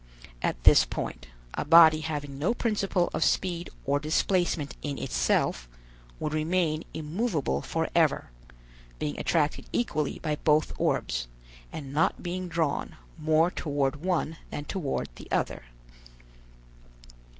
At this point, a body having no principle of speed or displacement in itself, would remain immovable forever, being attracted equally by both orbs, and not being drawn more toward one than toward the other.